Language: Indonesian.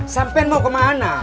sampen mau kemana